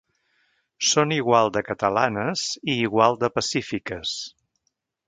Són igual de catalanes i igual de pacífiques.